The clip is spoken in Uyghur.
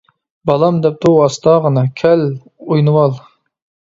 بالام، -دەپتۇ ئۇ ئاستاغىنا، -كەل، ئوينىۋال!